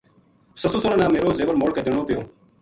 سسُو سوہراں نا میرو زیور موڑ کے دینو پیو